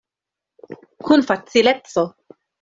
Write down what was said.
Kun facileco.